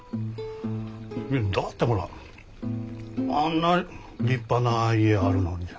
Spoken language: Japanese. だってほらあんな立派な家あるのにさ。